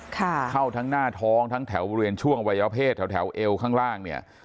ค่ะเข้าทั้งหน้าท้องทั้งแถวเวียนช่วงไว้เอาเพศแถวแถวเอวข้างล่างเนี่ย